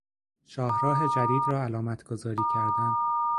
شاهراه جدید را علامت گذاری کردن